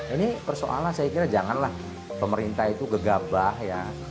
ini persoalan saya kira janganlah pemerintah itu gegabah ya